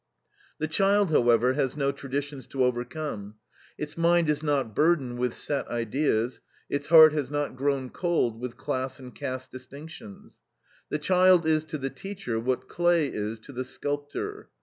The child, however, has no traditions to overcome. Its mind is not burdened with set ideas, its heart has not grown cold with class and caste distinctions. The child is to the teacher what clay is to the sculptor.